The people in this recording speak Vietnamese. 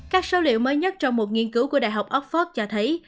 các số liệu mới nhất trong một nghiên cứu của đại học oxford cho thấy